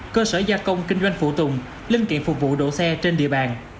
cơ sở gia công kinh doanh phụ tùng linh kiện phục vụ đổ xe trên địa bàn